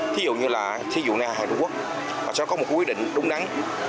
thí dụ như là thí dụ này là hàng nội thủ quốc và sẽ có một quyết định đúng đắn